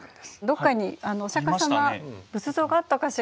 どっかにお釈迦様仏像があったかしら？